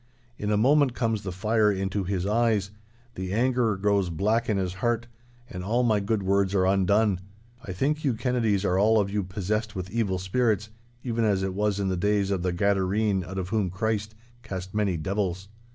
In a moment comes the fire into his eyes, the anger grows black in his heart, and all my good words are undone. I think you Kennedies are all of you possessed with evil spirits, even as it was in the days of the Gadarene out of whom Christ cast many devils.